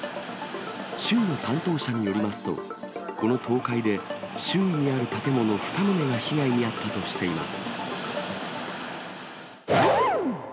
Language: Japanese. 州の担当者によりますと、この倒壊で周囲にある建物２棟が被害に遭ったとしています。